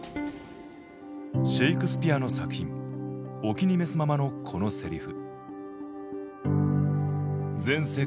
シェイクスピアの作品「お気に召すまま」のこのセリフ。